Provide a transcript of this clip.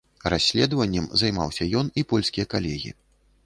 Расследаваннем займаўся ён і польскія калегі.